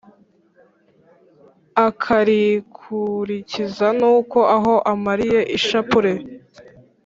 akar ikurikiza nuko aho amariye ishapule,